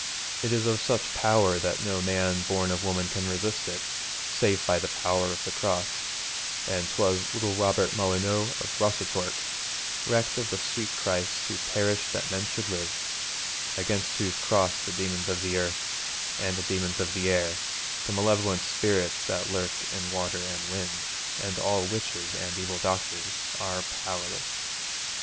It is of such power that no man born of woman can resist it, save by the power of the Cross, and 'twas little Robert Molyneux of Rossatorc recked of the sweet Christ who perished that men should live against whose Cross the demons of earth and the demons of air, the malevolent spirits that lurk in water and wind, and all witches and evil doctors, are powerless.